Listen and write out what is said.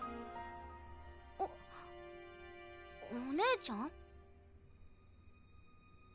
あお姉ちゃん？